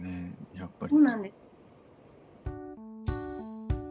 やっぱり。